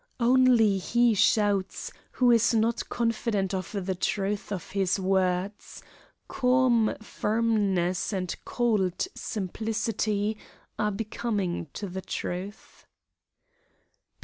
Only he shouts who is not confident of the truth of his words; calm firmness and cold simplicity are becoming to the truth.